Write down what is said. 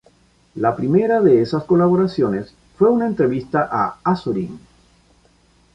La primera de esas colaboraciones fue una entrevista a Azorín.